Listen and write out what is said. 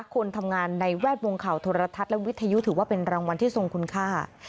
คนทำงานในแวดวงข่าวโทรทัศน์และวิทยุถือว่าเป็นรางวัลที่ทรงคุณค่า